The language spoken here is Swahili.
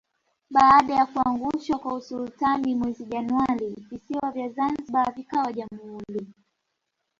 Baada ya kuangushwa kwa usultani mwezi Januari visiwa vya zanzibar vikawa Jamhuri